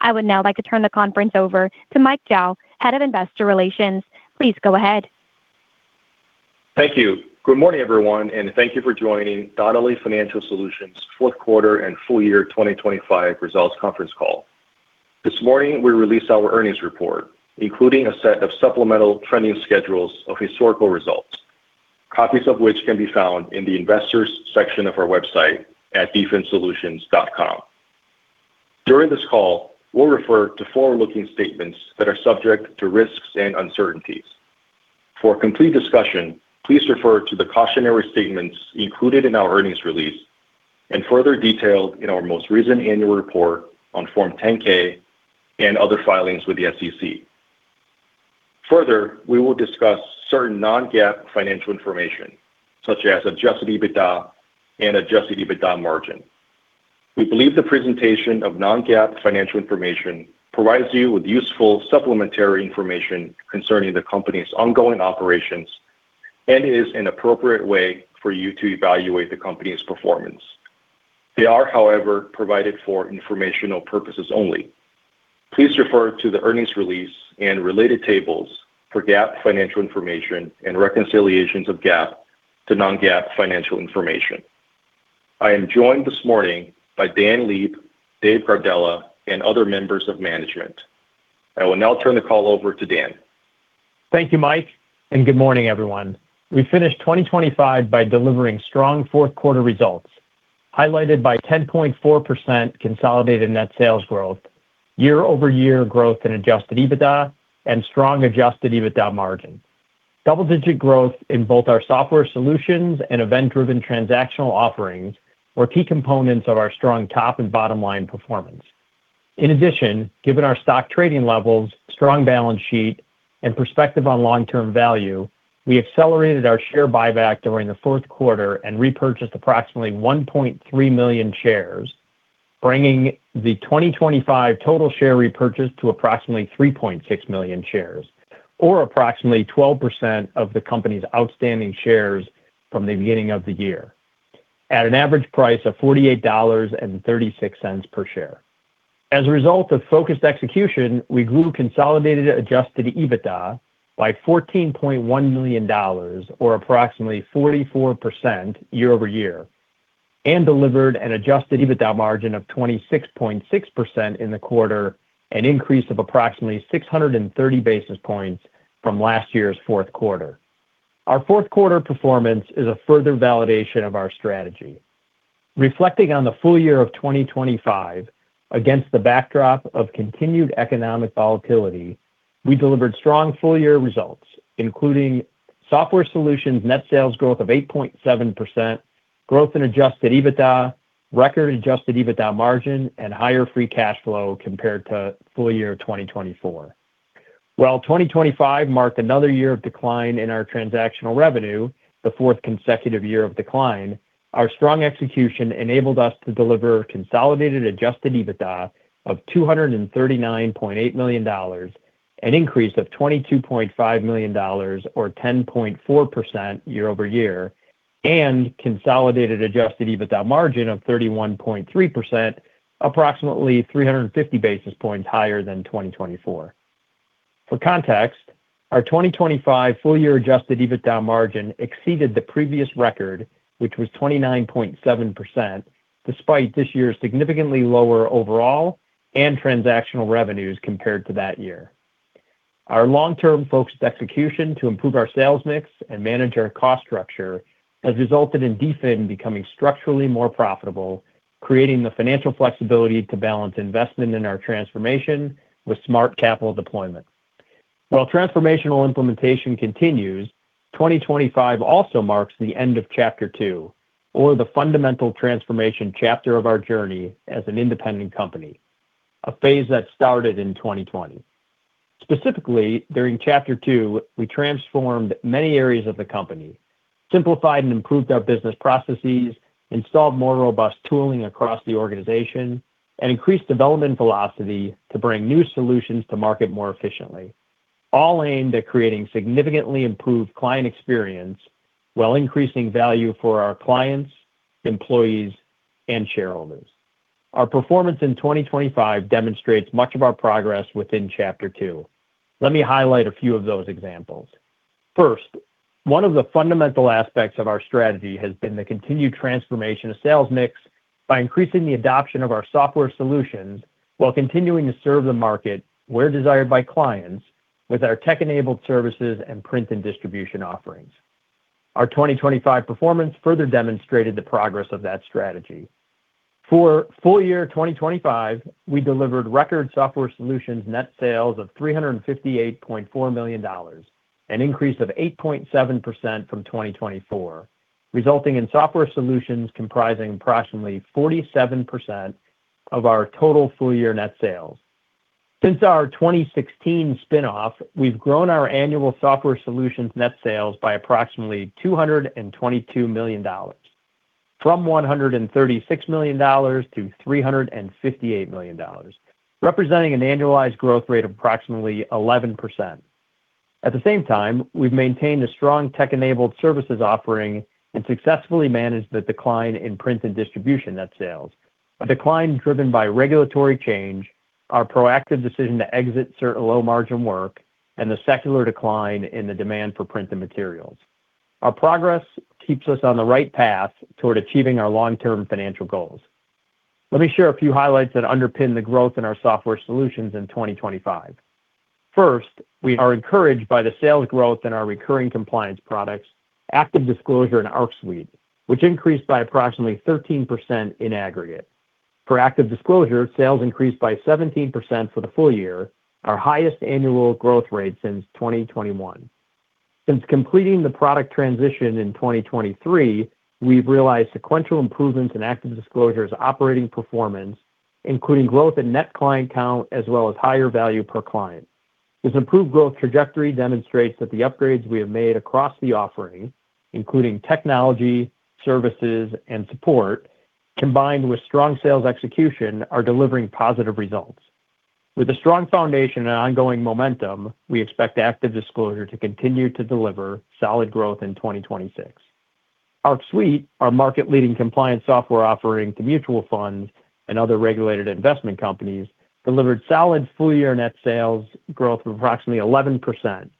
I would now like to turn the conference over to Mike Zhao, Head of Investor Relations. Please go ahead. Thank you. Good morning, everyone, and thank you for joining Donnelley Financial Solutions' fourth quarter and full year 2025 results conference call. This morning, we released our earnings report, including a set of supplemental trending schedules of historical results, copies of which can be found in the Investors section of our website at dfinsolutions.com. During this call, we'll refer to forward-looking statements that are subject to risks and uncertainties. For a complete discussion, please refer to the cautionary statements included in our earnings release and further detailed in our most recent annual report on Form 10-K and other filings with the SEC. Further, we will discuss certain non-GAAP financial information, such as adjusted EBITDA and Adjusted EBITDA margin. We believe the presentation of non-GAAP financial information provides you with useful supplementary information concerning the company's ongoing operations and is an appropriate way for you to evaluate the company's performance. They are, however, provided for informational purposes only. Please refer to the earnings release and related tables for GAAP financial information and reconciliations of GAAP to non-GAAP financial information. I am joined this morning by Dan Leib, Dave Gardella, and other members of management. I will now turn the call over to Dan. Thank you, Mike, and good morning, everyone. We finished 2025 by delivering strong fourth quarter results, highlighted by 10.4% consolidated net sales growth, year-over-year growth in adjusted EBITDA, and strong adjusted EBITDA margin. Double-digit growth in both our software solutions and event-driven transactional offerings were key components of our strong top and bottom line performance. In addition, given our stock trading levels, strong balance sheet, and perspective on long-term value, we accelerated our share buyback during the fourth quarter and repurchased approximately 1.3 million shares, bringing the 2025 total share repurchase to approximately 3.6 million shares, or approximately 12% of the company's outstanding shares from the beginning of the year, at an average price of $48.36 per share. As a result of focused execution, we grew consolidated adjusted EBITDA by $14.1 million or approximately 44% year-over-year, and delivered an adjusted EBITDA margin of 26.6% in the quarter, an increase of approximately 630 basis points from last year's fourth quarter. Our fourth quarter performance is a further validation of our strategy. Reflecting on the full year of 2025 against the backdrop of continued economic volatility, we delivered strong full-year results, including software solutions net sales growth of 8.7%, growth in adjusted EBITDA, record adjusted EBITDA margin, and higher free cash flow compared to full year 2024. While 2025 marked another year of decline in our transactional revenue, the fourth consecutive year of decline, our strong execution enabled us to deliver consolidated adjusted EBITDA of $239.8 million, an increase of $22.5 million or 10.4% year-over-year, and consolidated adjusted EBITDA margin of 31.3%, approximately 350 basis points higher than 2024. For context, our 2025 full-year adjusted EBITDA margin exceeded the previous record, which was 29.7%, despite this year's significantly lower overall and transactional revenues compared to that year. Our long-term focused execution to improve our sales mix and manage our cost structure has resulted in DFIN becoming structurally more profitable, creating the financial flexibility to balance investment in our transformation with smart capital deployment. While transformational implementation continues, 2025 also marks the end of chapter 2, or the fundamental transformation chapter of our journey as an independent company, a phase that started in 2020. Specifically, during chapter 2, we transformed many areas of the company, simplified and improved our business processes, installed more robust tooling across the organization, and increased development velocity to bring new solutions to market more efficiently, all aimed at creating significantly improved client experience while increasing value for our clients, employees, and shareholders. Our performance in 2025 demonstrates much of our progress within chapter 2. Let me highlight a few of those examples. First, one of the fundamental aspects of our strategy has been the continued transformation of sales mix by increasing the adoption of our software solutions while continuing to serve the market where desired by clients with our tech-enabled services and print and distribution offerings. Our 2025 performance further demonstrated the progress of that strategy. For full year 2025, we delivered record software solutions net sales of $358.4 million, an increase of 8.7% from 2024, resulting in software solutions comprising approximately 47% of our total full-year net sales. Since our 2016 spinoff, we've grown our annual software solutions net sales by approximately $222 million, from $136 million to $358 million, representing an annualized growth rate of approximately 11%.... At the same time, we've maintained a strong tech-enabled services offering and successfully managed the decline in print and distribution net sales. A decline driven by regulatory change, our proactive decision to exit certain low-margin work, and the secular decline in the demand for print and materials. Our progress keeps us on the right path toward achieving our long-term financial goals. Let me share a few highlights that underpin the growth in our software solutions in 2025. First, we are encouraged by the sales growth in our recurring compliance products, ActiveDisclosure and Arc Suite, which increased by approximately 13% in aggregate. For ActiveDisclosure, sales increased by 17% for the full year, our highest annual growth rate since 2021. Since completing the product transition in 2023, we've realized sequential improvements in ActiveDisclosure's operating performance, including growth in net client count as well as higher value per client. This improved growth trajectory demonstrates that the upgrades we have made across the offering, including technology, services, and support, combined with strong sales execution, are delivering positive results. With a strong foundation and ongoing momentum, we expect ActiveDisclosure to continue to deliver solid growth in 2026. Arc Suite, our market-leading compliance software offering to mutual funds and other regulated investment companies, delivered solid full-year net sales growth of approximately 11%,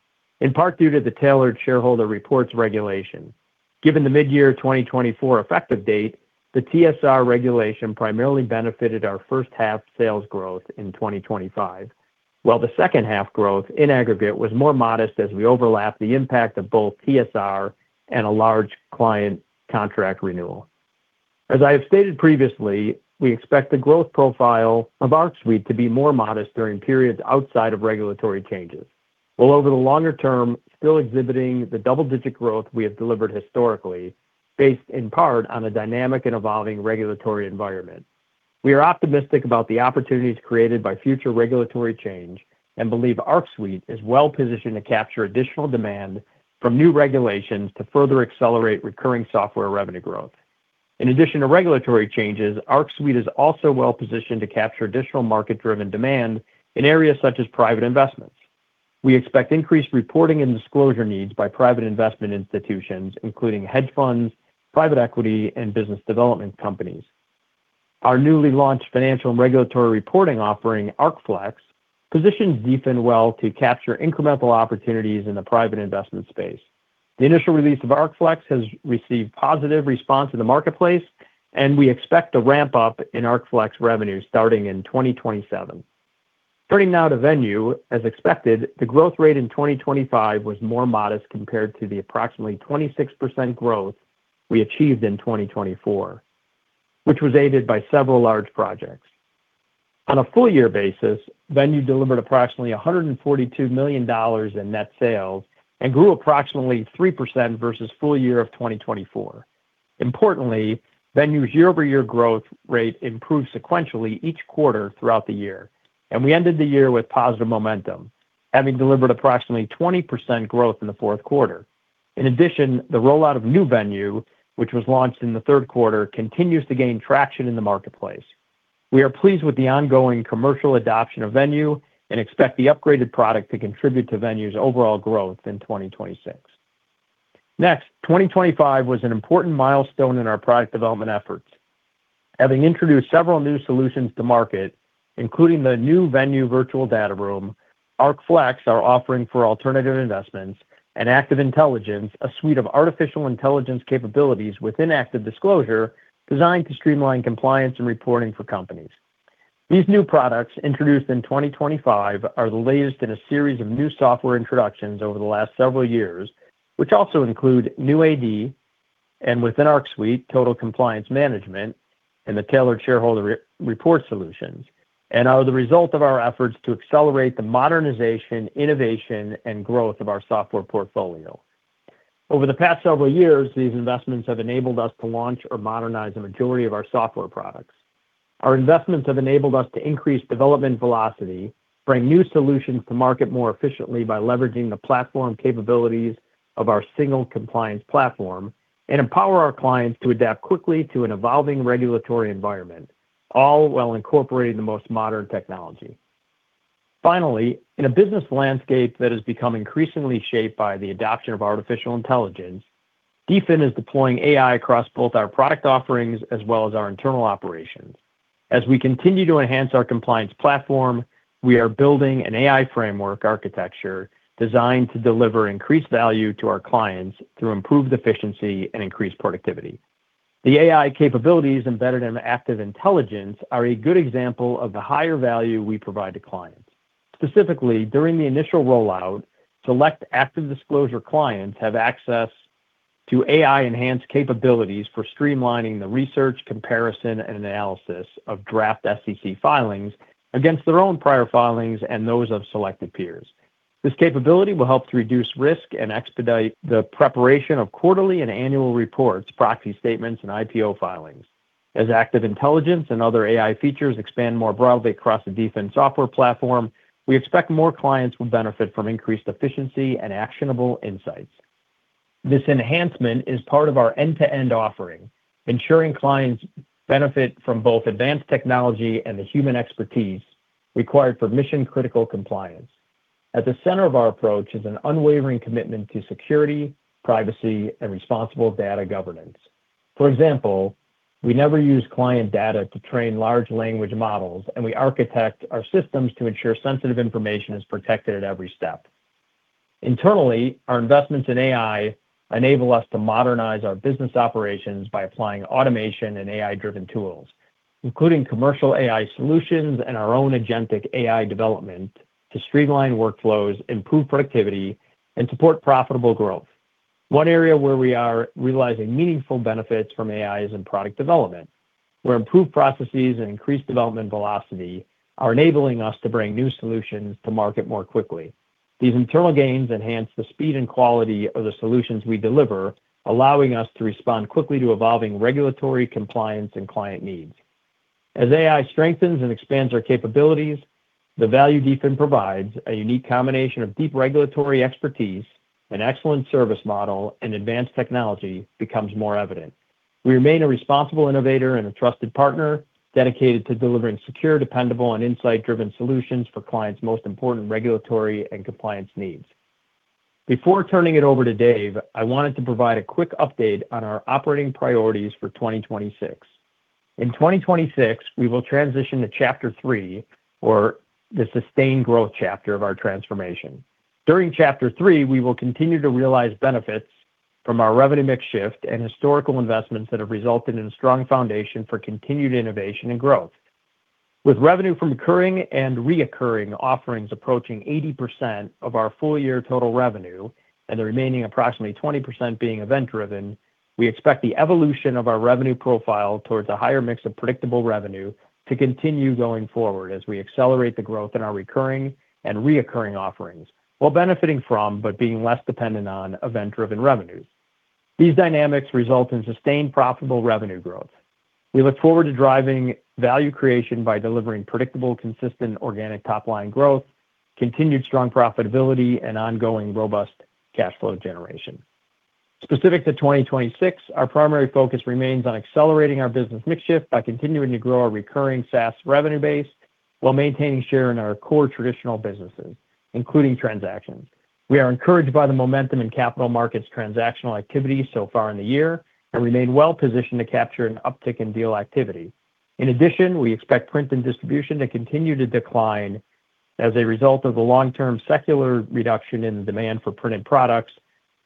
in part due to the Tailored Shareholder Reports regulation. Given the midyear 2024 effective date, the TSR regulation primarily benefited our first half sales growth in 2025, while the second half growth in aggregate was more modest as we overlapped the impact of both TSR and a large client contract renewal. As I have stated previously, we expect the growth profile of Arc Suite to be more modest during periods outside of regulatory changes. While over the longer term, still exhibiting the double-digit growth we have delivered historically, based in part on a dynamic and evolving regulatory environment. We are optimistic about the opportunities created by future regulatory change and believe Arc Suite is well positioned to capture additional demand from new regulations to further accelerate recurring software revenue growth. In addition to regulatory changes, Arc Suite is also well positioned to capture additional market-driven demand in areas such as private investments. We expect increased reporting and disclosure needs by private investment institutions, including hedge funds, private equity, and business development companies. Our newly launched financial and regulatory reporting offering, ArcFlex, positions DFIN well to capture incremental opportunities in the private investment space. The initial release of ArcFlex has received positive response in the marketplace, and we expect a ramp-up in ArcFlex revenue starting in 2027. Turning now to Venue. As expected, the growth rate in 2025 was more modest compared to the approximately 26% growth we achieved in 2024, which was aided by several large projects. On a full-year basis, Venue delivered approximately $142 million in net sales and grew approximately 3% versus full year of 2024. Importantly, Venue's year-over-year growth rate improved sequentially each quarter throughout the year, and we ended the year with positive momentum, having delivered approximately 20% growth in the fourth quarter. In addition, the rollout of new Venue, which was launched in the third quarter, continues to gain traction in the marketplace. We are pleased with the ongoing commercial adoption of Venue and expect the upgraded product to contribute to Venue's overall growth in 2026. Next, 2025 was an important milestone in our product development efforts. Having introduced several new solutions to market, including the new Venue Virtual Data Room, ArcFlex, our offering for alternative investments, and Active Intelligence, a suite of artificial intelligence capabilities within ActiveDisclosure designed to streamline compliance and reporting for companies. These new products, introduced in 2025, are the latest in a series of new software introductions over the last several years, which also include new AD, and within Arc Suite, Total Compliance Management and the Tailored Shareholder Report solutions, and are the result of our efforts to accelerate the modernization, innovation, and growth of our software portfolio. Over the past several years, these investments have enabled us to launch or modernize the majority of our software products. Our investments have enabled us to increase development velocity, bring new solutions to market more efficiently by leveraging the platform capabilities of our single compliance platform, and empower our clients to adapt quickly to an evolving regulatory environment, all while incorporating the most modern technology. Finally, in a business landscape that has become increasingly shaped by the adoption of artificial intelligence, DFIN is deploying AI across both our product offerings as well as our internal operations. As we continue to enhance our compliance platform, we are building an AI framework architecture designed to deliver increased value to our clients through improved efficiency and increased productivity. The AI capabilities embedded in Active Intelligence are a good example of the higher value we provide to clients. Specifically, during the initial rollout, select ActiveDisclosure clients have access to AI-enhanced capabilities for streamlining the research, comparison, and analysis of draft SEC filings against their own prior filings and those of selected peers. This capability will help to reduce risk and expedite the preparation of quarterly and annual reports, proxy statements, and IPO filings. As Active Intelligence and other AI features expand more broadly across the DFIN software platform, we expect more clients will benefit from increased efficiency and actionable insights.... This enhancement is part of our end-to-end offering, ensuring clients benefit from both advanced technology and the human expertise required for mission-critical compliance. At the center of our approach is an unwavering commitment to security, privacy, and responsible data governance. For example, we never use client data to train large language models, and we architect our systems to ensure sensitive information is protected at every step. Internally, our investments in AI enable us to modernize our business operations by applying automation and AI-driven tools, including commercial AI solutions and our own agentic AI development, to streamline workflows, improve productivity, and support profitable growth. One area where we are realizing meaningful benefits from AI is in product development, where improved processes and increased development velocity are enabling us to bring new solutions to market more quickly. These internal gains enhance the speed and quality of the solutions we deliver, allowing us to respond quickly to evolving regulatory compliance and client needs. As AI strengthens and expands our capabilities, the value DFIN provides, a unique combination of deep regulatory expertise, an excellent service model, and advanced technology, becomes more evident. We remain a responsible innovator and a trusted partner, dedicated to delivering secure, dependable, and insight-driven solutions for clients' most important regulatory and compliance needs. Before turning it over to Dave, I wanted to provide a quick update on our operating priorities for 2026. In 2026, we will transition to chapter three, or the sustained growth chapter of our transformation. During chapter three, we will continue to realize benefits from our revenue mix shift and historical investments that have resulted in a strong foundation for continued innovation and growth. With revenue from recurring and recurring offerings approaching 80% of our full year total revenue, and the remaining approximately 20% being event-driven, we expect the evolution of our revenue profile towards a higher mix of predictable revenue to continue going forward as we accelerate the growth in our recurring and recurring offerings, while benefiting from, but being less dependent on, event-driven revenues. These dynamics result in sustained profitable revenue growth. We look forward to driving value creation by delivering predictable, consistent, organic top-line growth, continued strong profitability, and ongoing robust cash flow generation. Specific to 2026, our primary focus remains on accelerating our business mix shift by continuing to grow our recurring SaaS revenue base while maintaining share in our core traditional businesses, including transactions. We are encouraged by the momentum in capital markets transactional activity so far in the year and remain well-positioned to capture an uptick in deal activity. In addition, we expect print and distribution to continue to decline as a result of the long-term secular reduction in the demand for printed products,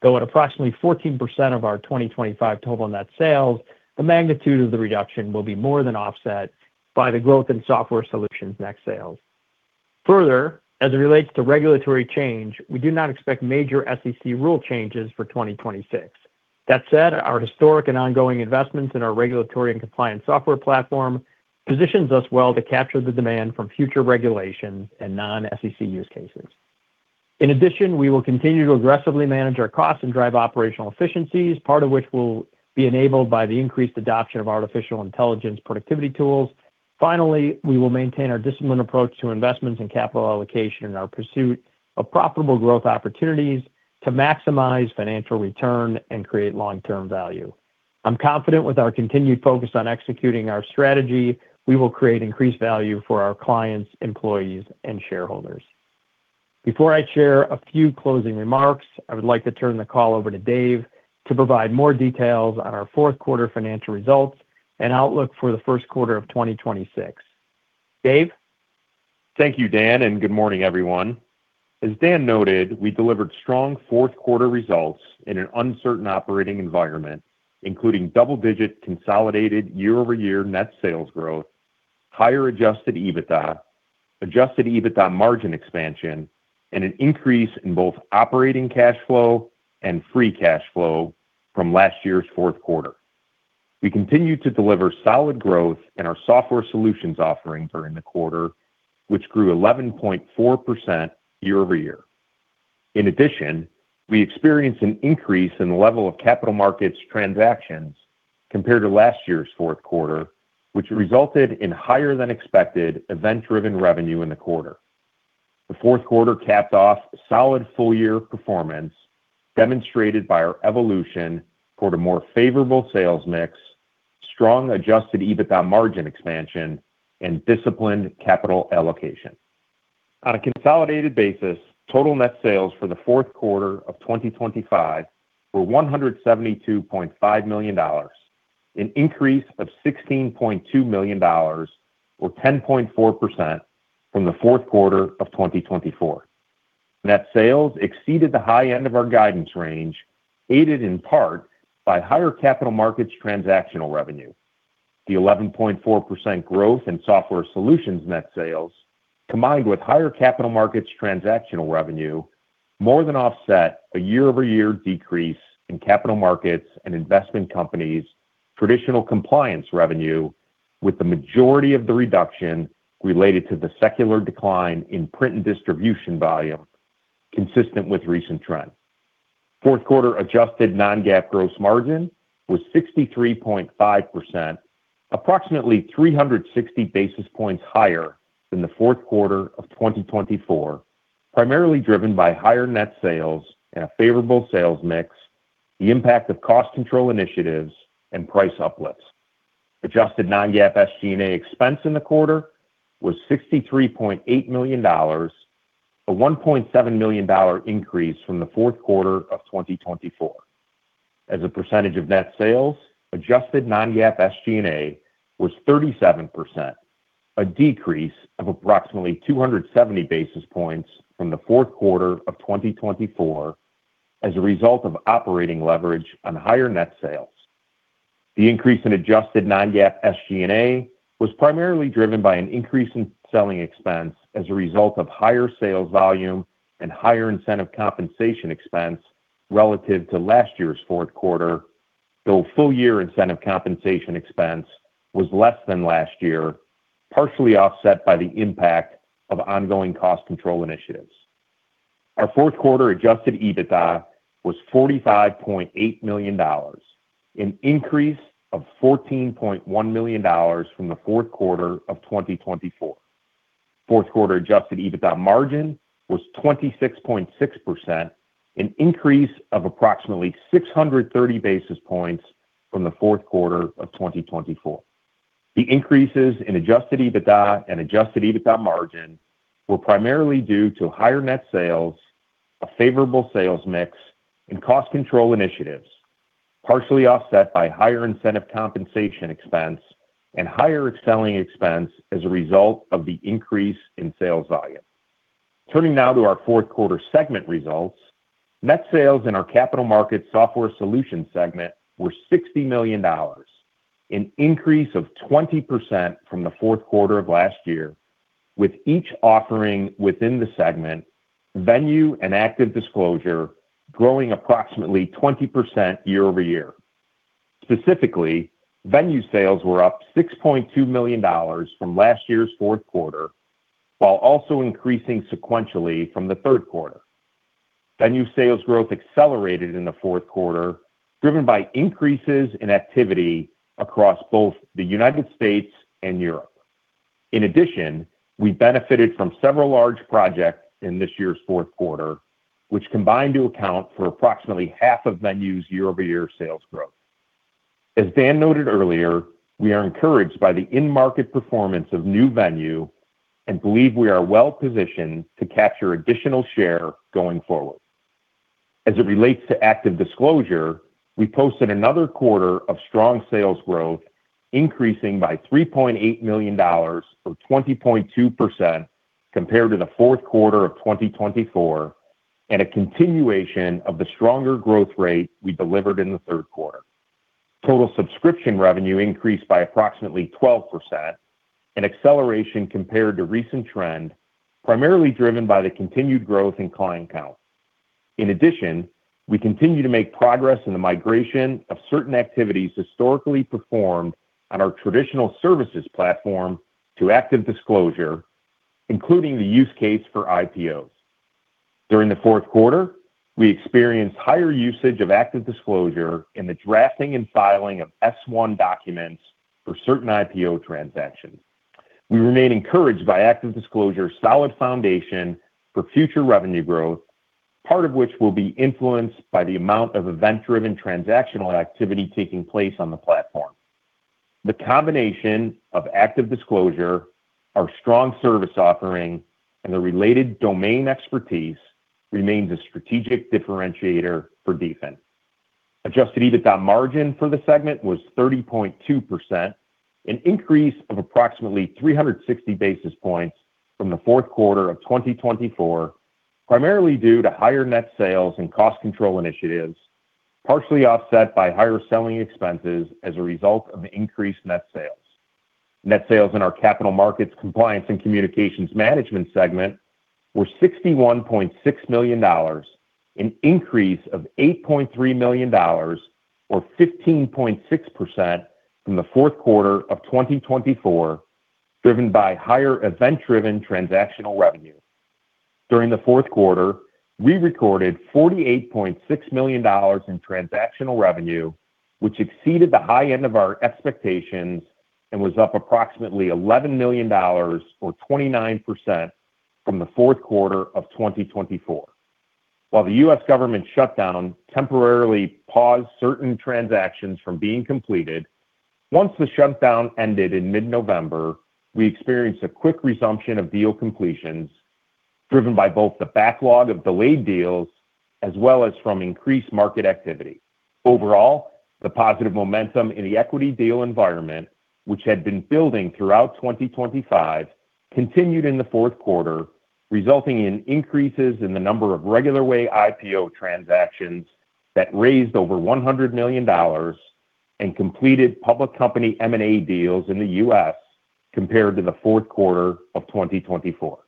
though at approximately 14% of our 2025 total net sales, the magnitude of the reduction will be more than offset by the growth in software solutions net sales. Further, as it relates to regulatory change, we do not expect major SEC rule changes for 2026. That said, our historic and ongoing investments in our regulatory and compliance software platform positions us well to capture the demand from future regulations and non-SEC use cases. In addition, we will continue to aggressively manage our costs and drive operational efficiencies, part of which will be enabled by the increased adoption of artificial intelligence productivity tools. Finally, we will maintain our disciplined approach to investments and capital allocation in our pursuit of profitable growth opportunities to maximize financial return and create long-term value. I'm confident with our continued focus on executing our strategy, we will create increased value for our clients, employees, and shareholders. Before I share a few closing remarks, I would like to turn the call over to Dave to provide more details on our fourth quarter financial results and outlook for the first quarter of 2026. Dave? Thank you, Dan, and good morning, everyone. As Dan noted, we delivered strong fourth quarter results in an uncertain operating environment, including double-digit consolidated year-over-year net sales growth, higher adjusted EBITDA, adjusted EBITDA margin expansion, and an increase in both operating cash flow and free cash flow from last year's fourth quarter. We continued to deliver solid growth in our software solutions offerings during the quarter, which grew 11.4% year-over-year. In addition, we experienced an increase in the level of capital markets transactions compared to last year's fourth quarter, which resulted in higher-than-expected event-driven revenue in the quarter. The fourth quarter capped off a solid full-year performance, demonstrated by our evolution toward a more favorable sales mix, strong adjusted EBITDA margin expansion, and disciplined capital allocation. On a consolidated basis, total net sales for the fourth quarter of 2025 were $172.5 million, an increase of $16.2 million, or 10.4% from the fourth quarter of 2024. Net sales exceeded the high end of our guidance range, aided in part by higher capital markets transactional revenue. The 11.4% growth in software solutions net sales, combined with higher capital markets transactional revenue, more than offset a year-over-year decrease in capital markets and investment companies' traditional compliance revenue, with the majority of the reduction related to the secular decline in print and distribution volume, consistent with recent trends. Fourth quarter adjusted non-GAAP gross margin was 63.5%. Approximately 360 basis points higher than the fourth quarter of 2024, primarily driven by higher net sales and a favorable sales mix, the impact of cost control initiatives, and price uplifts. Adjusted non-GAAP SG&A expense in the quarter was $63.8 million, a $1.7 million increase from the fourth quarter of 2024. As a percentage of net sales, adjusted non-GAAP SG&A was 37%, a decrease of approximately 270 basis points from the fourth quarter of 2024 as a result of operating leverage on higher net sales. The increase in adjusted non-GAAP SG&A was primarily driven by an increase in selling expense as a result of higher sales volume and higher incentive compensation expense relative to last year's fourth quarter, though full-year incentive compensation expense was less than last year, partially offset by the impact of ongoing cost control initiatives. Our fourth quarter adjusted EBITDA was $45.8 million, an increase of $14.1 million from the fourth quarter of 2024. Fourth quarter adjusted EBITDA margin was 26.6%, an increase of approximately 630 basis points from the fourth quarter of 2024. The increases in adjusted EBITDA and adjusted EBITDA margin were primarily due to higher net sales, a favorable sales mix, and cost control initiatives, partially offset by higher incentive compensation expense and higher selling expense as a result of the increase in sales volume. Turning now to our fourth quarter segment results. Net sales in our capital markets software solutions segment were $60 million, an increase of 20% from the fourth quarter of last year, with each offering within the segment, Venue and ActiveDisclosure, growing approximately 20% year-over-year. Specifically, Venue sales were up $6.2 million from last year's fourth quarter, while also increasing sequentially from the third quarter. Venue sales growth accelerated in the fourth quarter, driven by increases in activity across both the United States and Europe. In addition, we benefited from several large projects in this year's fourth quarter, which combined to account for approximately half of Venue's year-over-year sales growth. As Dan noted earlier, we are encouraged by the in-market performance of new Venue and believe we are well-positioned to capture additional share going forward. As it relates to ActiveDisclosure, we posted another quarter of strong sales growth, increasing by $3.8 million, or 20.2%, compared to the fourth quarter of 2024, and a continuation of the stronger growth rate we delivered in the third quarter. Total subscription revenue increased by approximately 12%, an acceleration compared to recent trend, primarily driven by the continued growth in client count. In addition, we continue to make progress in the migration of certain activities historically performed on our traditional services platform to ActiveDisclosure, including the use case for IPOs. During the fourth quarter, we experienced higher usage of ActiveDisclosure in the drafting and filing of S-1 documents for certain IPO transactions. We remain encouraged by ActiveDisclosure's solid foundation for future revenue growth, part of which will be influenced by the amount of event-driven transactional activity taking place on the platform. The combination of ActiveDisclosure, our strong service offering, and the related domain expertise remains a strategic differentiator for DFIN. Adjusted EBITDA margin for the segment was 30.2%, an increase of approximately 360 basis points from the fourth quarter of 2024, primarily due to higher net sales and cost control initiatives, partially offset by higher selling expenses as a result of increased net sales. Net sales in our capital markets, compliance and communications management segment were $61.6 million, an increase of $8.3 million, or 15.6%, from the fourth quarter of 2024, driven by higher event-driven transactional revenue. During the fourth quarter, we recorded $48.6 million in transactional revenue, which exceeded the high end of our expectations and was up approximately $11 million or 29% from the fourth quarter of 2024. While the U.S. government shutdown temporarily paused certain transactions from being completed, once the shutdown ended in mid-November, we experienced a quick resumption of deal completions, driven by both the backlog of delayed deals as well as from increased market activity. Overall, the positive momentum in the equity deal environment, which had been building throughout 2025, continued in the fourth quarter, resulting in increases in the number of regular way IPO transactions that raised over $100 million and completed public company M&A deals in the U.S. compared to the fourth quarter of 2024.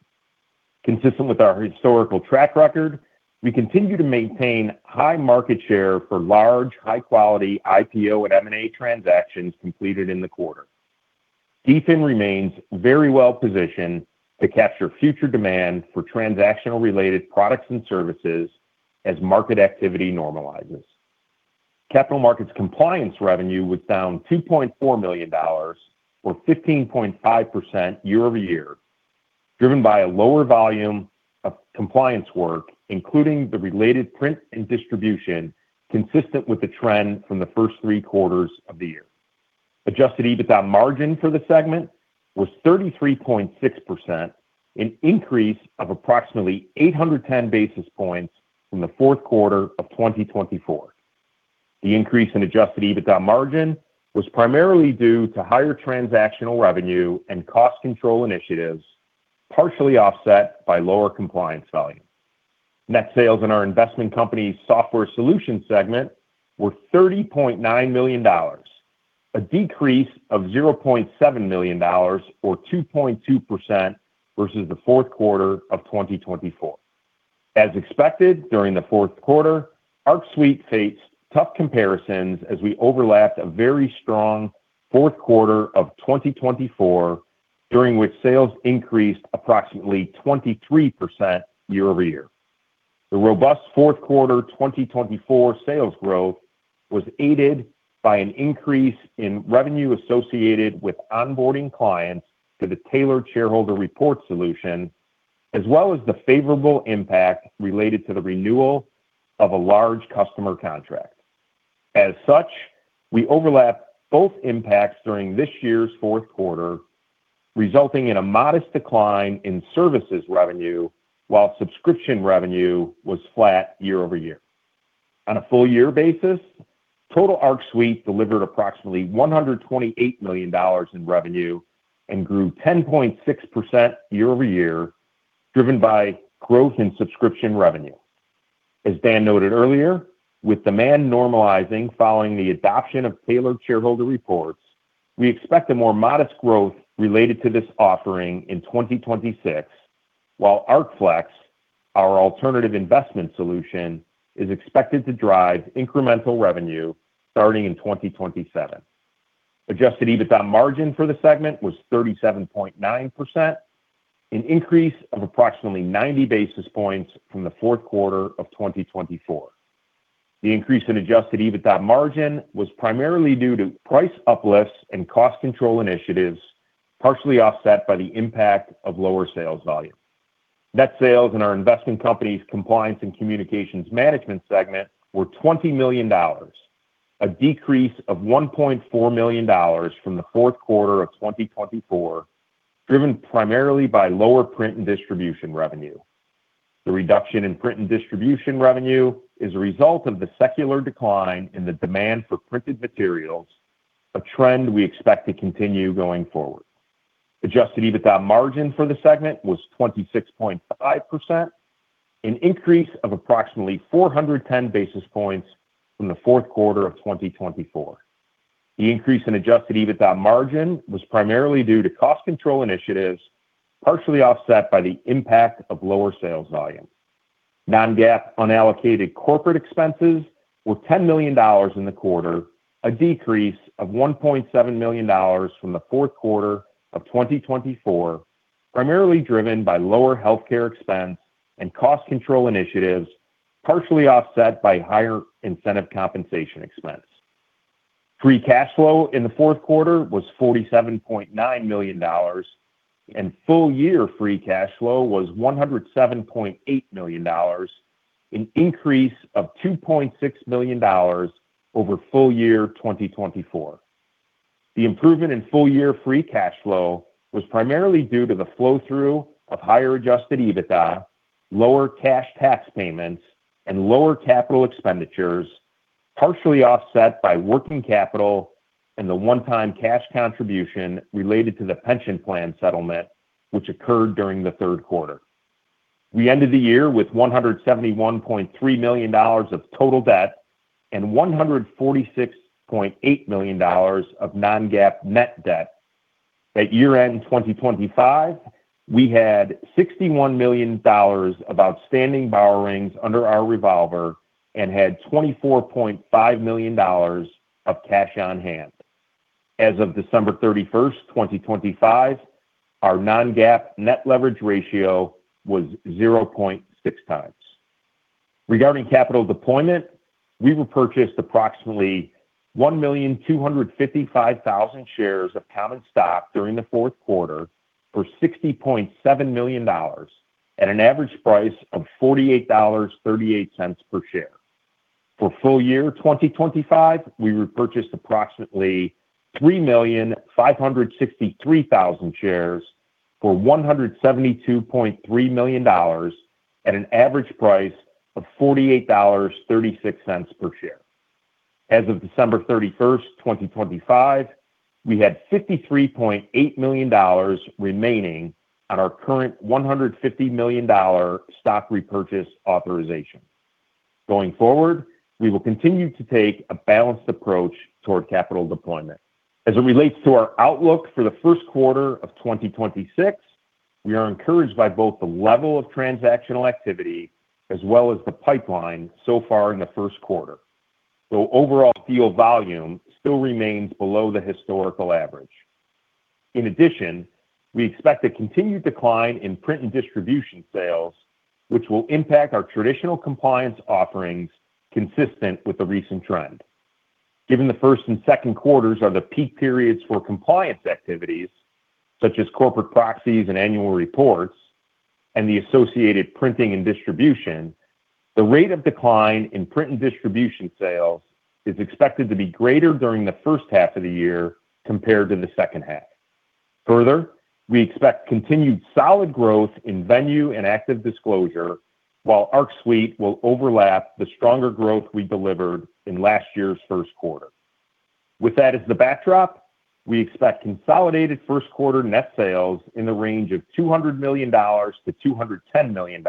Consistent with our historical track record, we continue to maintain high market share for large, high-quality IPO and M&A transactions completed in the quarter. DFIN remains very well positioned to capture future demand for transactional-related products and services as market activity normalizes. Capital markets compliance revenue was down $2.4 million, or 15.5% year-over-year, driven by a lower volume of compliance work, including the related print and distribution, consistent with the trend from the first three quarters of the year. Adjusted EBITDA margin for the segment was 33.6%, an increase of approximately 810 basis points from the fourth quarter of 2024. The increase in adjusted EBITDA margin was primarily due to higher transactional revenue and cost control initiatives, partially offset by lower compliance volume. Net sales in our investment company's software solution segment were $30.9 million, a decrease of $0.7 million or 2.2% versus the fourth quarter of 2024. As expected, during the fourth quarter, Arc Suite faced tough comparisons as we overlapped a very strong fourth quarter of 2024, during which sales increased approximately 23% year-over-year. The robust fourth quarter 2024 sales growth was aided by an increase in revenue associated with onboarding clients to the Tailored Shareholder Report solution, as well as the favorable impact related to the renewal of a large customer contract. As such, we overlapped both impacts during this year's fourth quarter, resulting in a modest decline in services revenue, while subscription revenue was flat year-over-year. On a full year basis, total Arc Suite delivered approximately $128 million in revenue and grew 10.6% year-over-year, driven by growth in subscription revenue. As Dan noted earlier, with demand normalizing following the adoption of Tailored Shareholder Reports, we expect a more modest growth related to this offering in 2026, while ArcFlex, our alternative investment solution, is expected to drive incremental revenue starting in 2027. Adjusted EBITDA margin for the segment was 37.9%, an increase of approximately 90 basis points from the fourth quarter of 2024. The increase in adjusted EBITDA margin was primarily due to price uplifts and cost control initiatives, partially offset by the impact of lower sales volume. Net sales in our investment company's compliance and communications management segment were $20 million, a decrease of $1.4 million from the fourth quarter of 2024, driven primarily by lower print and distribution revenue. The reduction in print and distribution revenue is a result of the secular decline in the demand for printed materials, a trend we expect to continue going forward. Adjusted EBITDA margin for the segment was 26.5%, an increase of approximately 410 basis points from the fourth quarter of 2024. The increase in adjusted EBITDA margin was primarily due to cost control initiatives, partially offset by the impact of lower sales volume. Non-GAAP unallocated corporate expenses were $10 million in the quarter, a decrease of $1.7 million from the fourth quarter of 2024, primarily driven by lower healthcare expense and cost control initiatives, partially offset by higher incentive compensation expense. Free cash flow in the fourth quarter was $47.9 million, and full-year free cash flow was $107.8 million, an increase of $2.6 million over full year 2024. The improvement in full-year free cash flow was primarily due to the flow-through of higher adjusted EBITDA, lower cash tax payments, and lower capital expenditures, partially offset by working capital and the one-time cash contribution related to the pension plan settlement, which occurred during the third quarter. We ended the year with $171.3 million of total debt and $146.8 million of non-GAAP net debt. At year-end 2025, we had $61 million of outstanding borrowings under our revolver and had $24.5 million of cash on hand. As of December 31st, 2025, our non-GAAP net leverage ratio was 0.6 times. Regarding capital deployment, we repurchased approximately 1,255,000 shares of common stock during the fourth quarter for $60.7 million at an average price of $48.38 per share. For full year 2025, we repurchased approximately 3,563,000 shares for $172.3 million at an average price of $48.36 per share. As of December 31st, 2025, we had $53.8 million remaining on our current $150 million stock repurchase authorization. Going forward, we will continue to take a balanced approach toward capital deployment. As it relates to our outlook for the first quarter of 2026, we are encouraged by both the level of transactional activity as well as the pipeline so far in the first quarter.... So overall deal volume still remains below the historical average. In addition, we expect a continued decline in print and distribution sales, which will impact our traditional compliance offerings, consistent with the recent trend. Given the first and second quarters are the peak periods for compliance activities, such as corporate proxies and annual reports, and the associated printing and distribution, the rate of decline in print and distribution sales is expected to be greater during the first half of the year compared to the second half. Further, we expect continued solid growth in Venue and ActiveDisclosure, while Arc Suite will overlap the stronger growth we delivered in last year's first quarter. With that as the backdrop, we expect consolidated first quarter net sales in the range of $200 million-$210 million,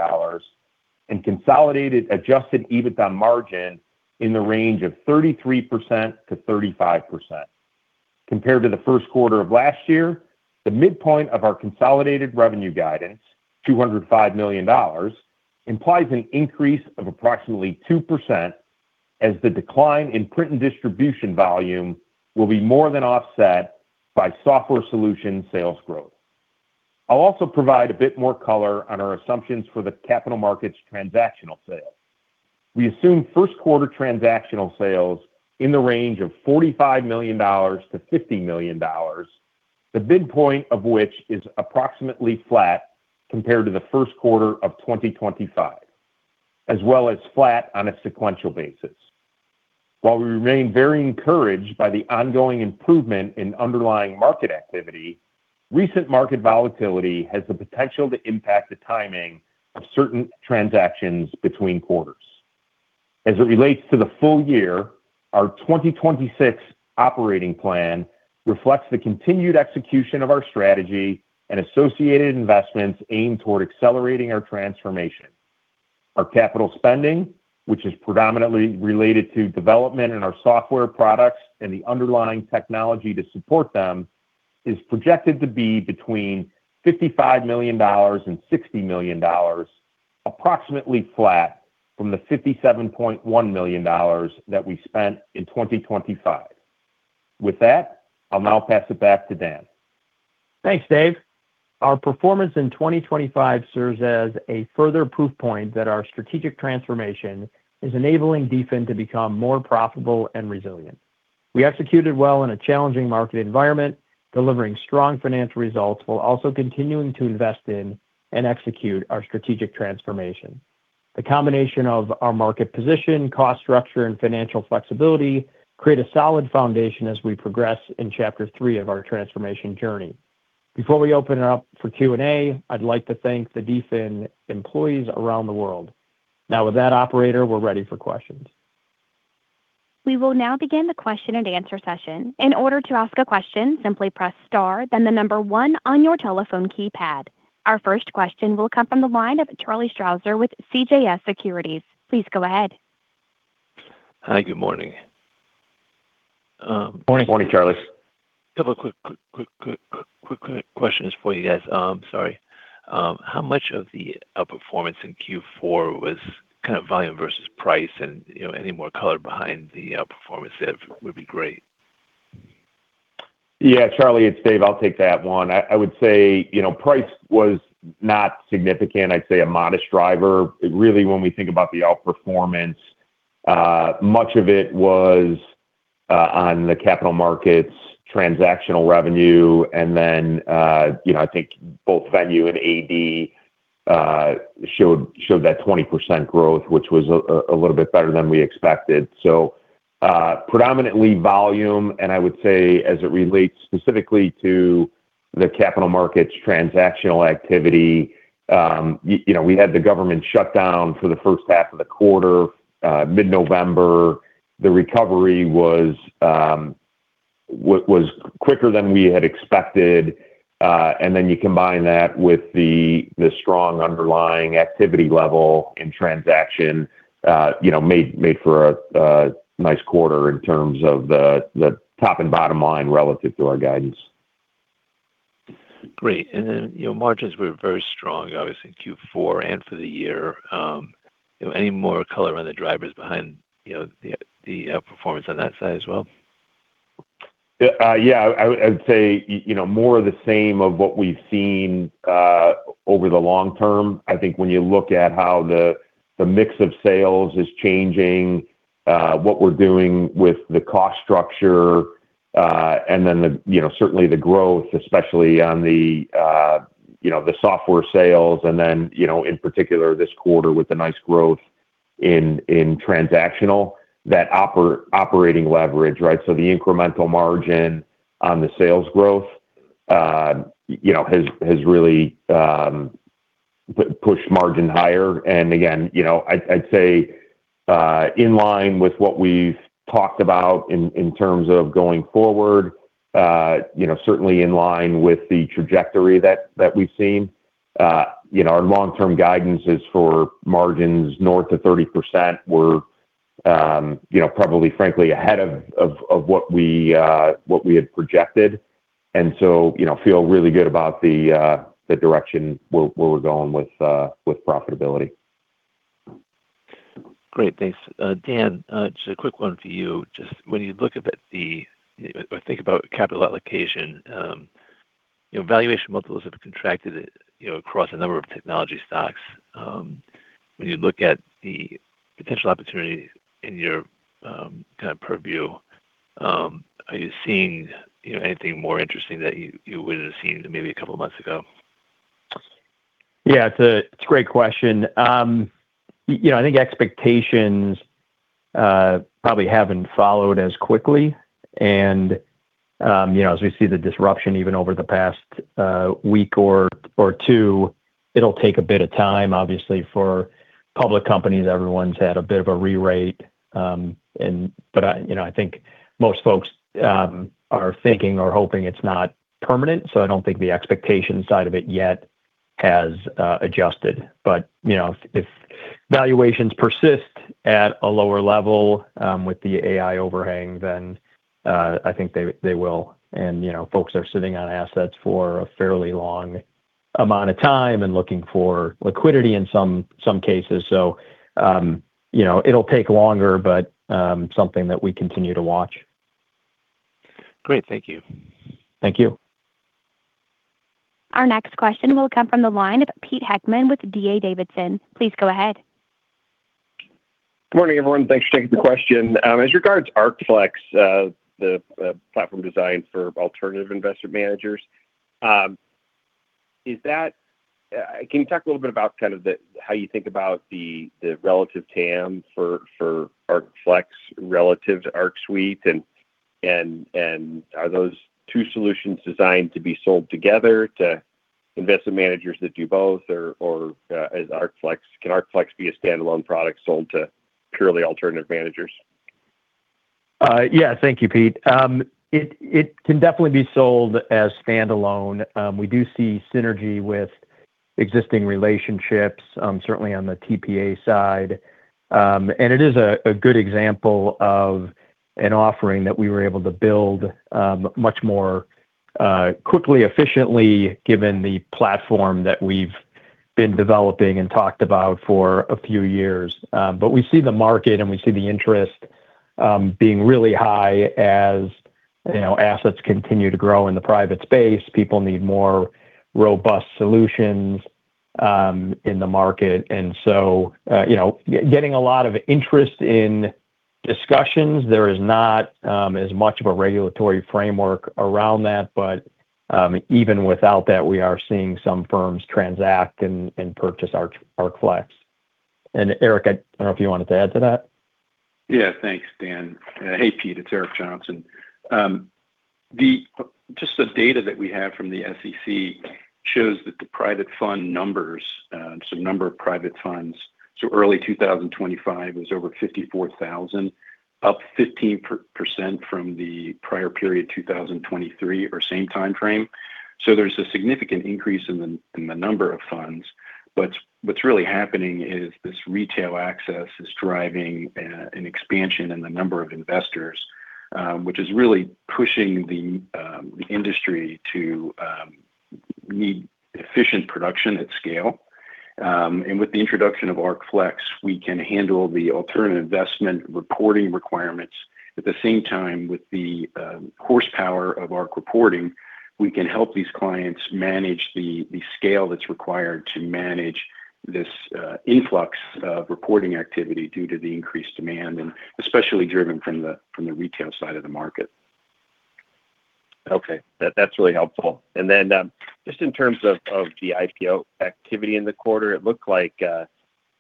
and consolidated adjusted EBITDA margin in the range of 33%-35%. Compared to the first quarter of last year, the midpoint of our consolidated revenue guidance, $205 million, implies an increase of approximately 2%, as the decline in print and distribution volume will be more than offset by software solution sales growth. I'll also provide a bit more color on our assumptions for the capital markets transactional sales. We assume first quarter transactional sales in the range of $45 million-$50 million, the midpoint of which is approximately flat compared to the first quarter of 2025, as well as flat on a sequential basis. While we remain very encouraged by the ongoing improvement in underlying market activity, recent market volatility has the potential to impact the timing of certain transactions between quarters. As it relates to the full year, our 2026 operating plan reflects the continued execution of our strategy and associated investments aimed toward accelerating our transformation. Our capital spending, which is predominantly related to development in our software products and the underlying technology to support them, is projected to be between $55 million and $60 million, approximately flat from the $57.1 million that we spent in 2025. With that, I'll now pass it back to Dan. Thanks, Dave. Our performance in 2025 serves as a further proof point that our strategic transformation is enabling DFIN to become more profitable and resilient. We executed well in a challenging market environment, delivering strong financial results, while also continuing to invest in and execute our strategic transformation. The combination of our market position, cost structure, and financial flexibility create a solid foundation as we progress in chapter three of our transformation journey. Before we open it up for Q&A, I'd like to thank the DFIN employees around the world. Now, with that, operator, we're ready for questions. We will now begin the question and answer session. In order to ask a question, simply press star, then the number one on your telephone keypad. Our first question will come from the line of Charlie Strauzer with CJS Securities. Please go ahead. Hi, good morning. Good morning. Morning, Charlie. Couple of quick questions for you guys. Sorry. How much of the outperformance in Q4 was kind of volume versus price? And, you know, any more color behind the outperformance, if would be great. Yeah, Charlie, it's Dave. I'll take that one. I would say, you know, price was not significant. I'd say a modest driver. Really, when we think about the outperformance, much of it was on the capital markets, transactional revenue, and then, you know, I think both Venue and AD showed that 20% growth, which was a little bit better than we expected. So, predominantly volume, and I would say as it relates specifically to the capital markets transactional activity, you know, we had the government shut down for the first half of the quarter. Mid-November, the recovery was quicker than we had expected. And then you combine that with the strong underlying activity level and transaction, you know, made for a nice quarter in terms of the top and bottom line relative to our guidance. Great. And then, your margins were very strong, obviously in Q4 and for the year. Any more color on the drivers behind, you know, the performance on that side as well? Yeah, yeah, I would, I'd say, you know, more of the same of what we've seen over the long term. I think when you look at how the mix of sales is changing, what we're doing with the cost structure, and then the, you know, certainly the growth, especially on the, you know, the software sales and then, you know, in particular this quarter with the nice growth in transactional, that operating leverage, right? So the incremental margin on the sales growth, you know, has really pushed margin higher. And again, you know, I'd say, in line with what we've talked about in terms of going forward, you know, certainly in line with the trajectory that we've seen. You know, our long-term guidance is for margins north of 30%. We're, you know, probably frankly ahead of what we had projected... and so, you know, feel really good about the direction where we're going with profitability. Great. Thanks. Dan, just a quick one for you. Just when you look up at the, or think about capital allocation, you know, valuation multiples have contracted, you know, across a number of technology stocks. When you look at the potential opportunity in your, kind of purview, are you seeing, you know, anything more interesting that you, you wouldn't have seen maybe a couple of months ago? Yeah, it's a great question. You know, I think expectations probably haven't followed as quickly, and, you know, as we see the disruption even over the past week or two, it'll take a bit of time. Obviously, for public companies, everyone's had a bit of a rerate, and but, you know, I think most folks are thinking or hoping it's not permanent, so I don't think the expectation side of it yet has adjusted. But, you know, if valuations persist at a lower level with the AI overhang, then, I think they will. And, you know, folks are sitting on assets for a fairly long amount of time and looking for liquidity in some cases. So, you know, it'll take longer, but something that we continue to watch. Great. Thank you. Thank you. Our next question will come from the line of Pete Heckmann with D.A. Davidson. Please go ahead. Good morning, everyone. Thanks for taking the question. As regards ArcFlex, the platform design for alternative investment managers, can you talk a little bit about kind of how you think about the relative TAM for ArcFlex relative to Arc Suite? And are those two solutions designed to be sold together to investment managers that do both, or can ArcFlex be a standalone product sold to purely alternative managers? Yeah. Thank you, Pete. It can definitely be sold as standalone. We do see synergy with existing relationships, certainly on the TPA side. And it is a good example of an offering that we were able to build much more quickly, efficiently, given the platform that we've been developing and talked about for a few years. But we see the market, and we see the interest being really high. As you know, assets continue to grow in the private space, people need more robust solutions in the market. And so, you know, getting a lot of interest in discussions, there is not as much of a regulatory framework around that, but even without that, we are seeing some firms transact and purchase ArcFlex. Eric, I don't know if you wanted to add to that. Yeah. Thanks, Dan. Hey, Pete, it's Eric Johnson. Just the data that we have from the SEC shows that the private fund numbers, so number of private funds, so early 2025 is over 54,000, up 15% from the prior period, 2023 or same time frame. So there's a significant increase in the number of funds, but what's really happening is this retail access is driving an expansion in the number of investors, which is really pushing the industry to need efficient production at scale. And with the introduction of ArcFlex, we can handle the alternative investment reporting requirements. At the same time, with the horsepower of Arc reporting, we can help these clients manage the scale that's required to manage this influx of reporting activity due to the increased demand and especially driven from the retail side of the market. Okay. That's really helpful. And then, just in terms of the IPO activity in the quarter, it looked like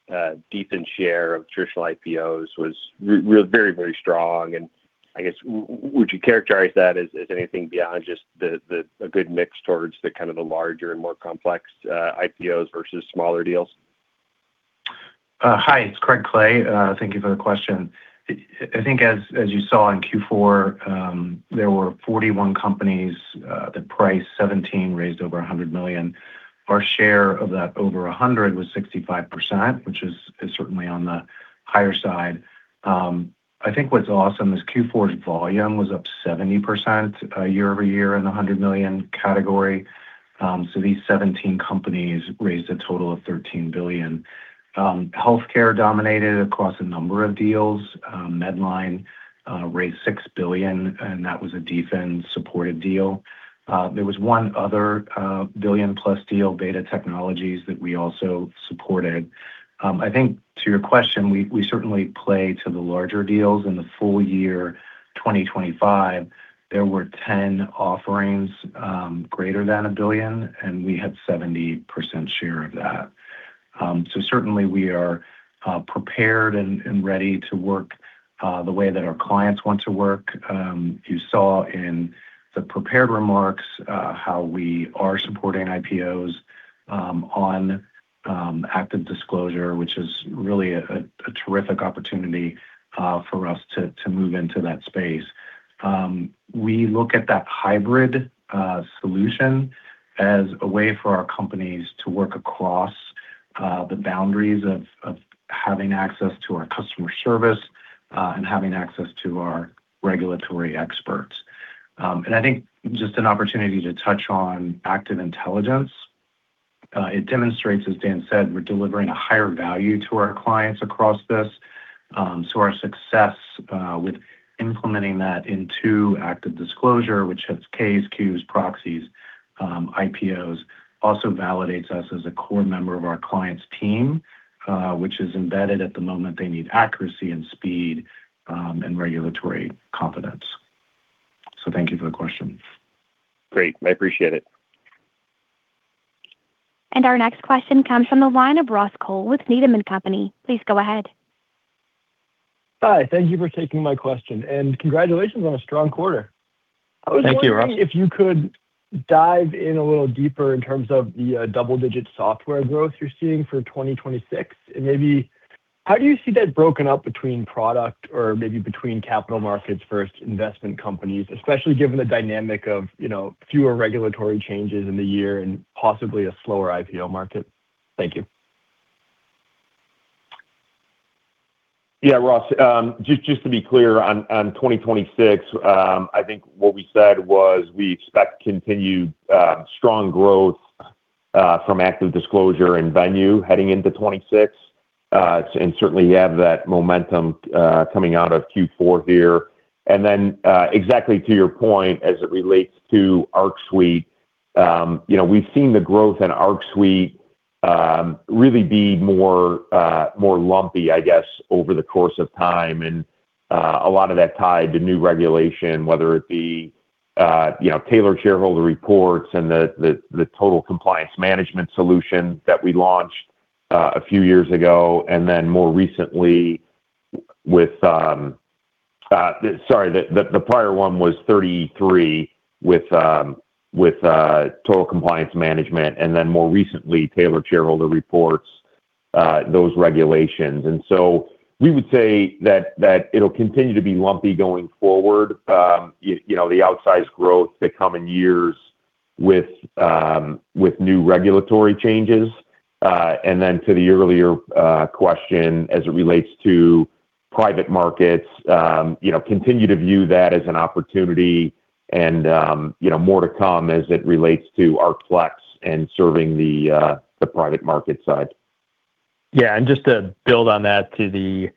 DFIN's share of traditional IPOs was really very, very strong, and I guess would you characterize that as anything beyond just a good mix towards the kind of the larger and more complex IPOs versus smaller deals? Hi, it's Craig Clay. Thank you for the question. I think as you saw in Q4, there were 41 companies that priced 17, raised over $100 million. Our share of that over $100 was 65%, which is certainly on the higher side. I think what's awesome is Q4's volume was up 70% year-over-year in the $100 million category. So these 17 companies raised a total of $13 billion. Healthcare dominated across a number of deals. Medline raised $6 billion, and that was a DFIN-supported deal. There was one other billion-plus deal, Beta Technologies, that we also supported. I think, to your question, we certainly play to the larger deals. In the full year 2025, there were 10 offerings greater than $1 billion, and we had 70% share of that. So certainly we are prepared and ready to work the way that our clients want to work. You saw in the prepared remarks how we are supporting IPOs on ActiveDisclosure, which is really a terrific opportunity for us to move into that space. We look at that hybrid solution as a way for our companies to work across the boundaries of having access to our customer service and having access to our regulatory experts. And I think just an opportunity to touch on Active Intelligence. It demonstrates, as Dan said, we're delivering a higher value to our clients across this. So our success with implementing that into ActiveDisclosure, which has Ks, Qs, proxies, IPOs, also validates us as a core member of our clients' team, which is embedded at the moment. They need accuracy and speed, and regulatory confidence. So thank you for the question. Great. I appreciate it. Our next question comes from the line of Ross Cole with Needham and Company. Please go ahead. Hi, thank you for taking my question, and congratulations on a strong quarter. Thank you, Ross. I was wondering if you could dive in a little deeper in terms of the double-digit software growth you're seeing for 2026. And maybe how do you see that broken up between product or maybe between capital markets versus investment companies, especially given the dynamic of, you know, fewer regulatory changes in the year and possibly a slower IPO market? Thank you. Yeah, Ross, just to be clear, on 2026, I think what we said was we expect continued strong growth from ActiveDisclosure and Venue heading into 2026. And certainly, you have that momentum coming out of Q4 here. And then, exactly to your point, as it relates to Arc Suite, you know, we've seen the growth in Arc Suite really be more lumpy, I guess, over the course of time, and a lot of that tied to new regulation, whether it be, you know, Tailored Shareholder Reports and the Total Compliance Management solution that we launched a few years ago, and then more recently with. Sorry, the prior one was 30e-3 with Total Compliance Management, and then more recently, Tailored Shareholder Reports, those regulations. And so we would say that it'll continue to be lumpy going forward, you know, the outsized growth the coming years with new regulatory changes. And then to the earlier question as it relates to private markets, you know, continue to view that as an opportunity and, you know, more to come as it relates to ArcFlex and serving the private market side. Yeah, and just to build on that, to the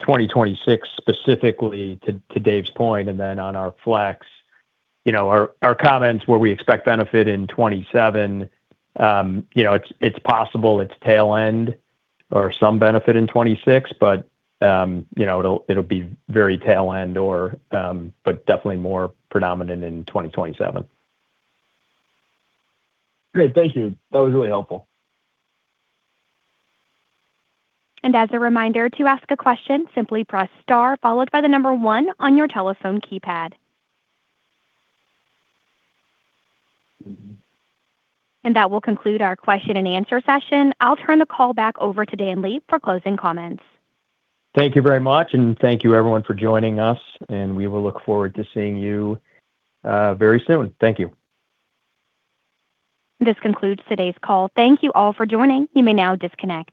2026, specifically to Dave's point, and then on our Flex, you know, our comments where we expect benefit in 2027, you know, it's possible it's tail end or some benefit in 2026, but, you know, it'll be very tail end or, but definitely more predominant in 2027. Great, thank you. That was really helpful. As a reminder, to ask a question, simply press star followed by the number one on your telephone keypad. That will conclude our question-and-answer session. I'll turn the call back over to Dan Leib for closing comments. Thank you very much, and thank you, everyone, for joining us, and we will look forward to seeing you, very soon. Thank you. This concludes today's call. Thank you all for joining. You may now disconnect.